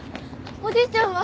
おじいちゃんは？